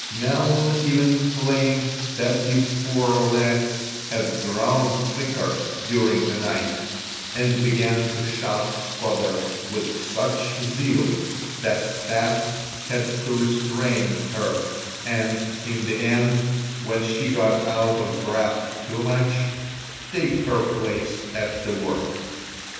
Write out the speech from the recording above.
Nell even claimed that his fore legs had grown thicker during the night, and began to shove fodder with such zeal that Stas had to restrain her and in the end when she got out of breath too much, take her place at the work.